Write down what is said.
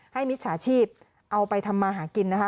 มิจฉาชีพเอาไปทำมาหากินนะคะ